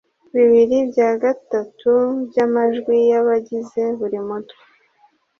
Bibiri bya gatatu by’amajwi y’abagize Buri Mutwe.